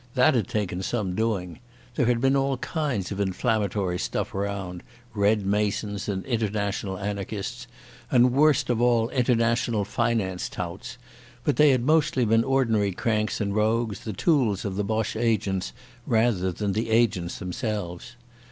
That had taken some doing. There had been all kinds of inflammatory stuff around, Red Masons and international anarchists, and, worst of all, international finance touts, but they had mostly been ordinary cranks and rogues, the tools of the Boche agents rather than agents themselves.